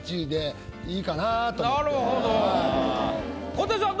小手さん